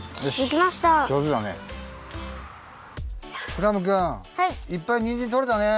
クラムくんいっぱいにんじんとれたね。